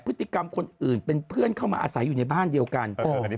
พฤติกรรมคนอื่นเป็นเพื่อนเข้ามาอาศัยอยู่ในบ้านเดียวกัน